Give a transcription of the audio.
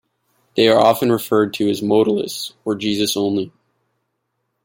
They are often referred to as "Modalists" or "Jesus Only".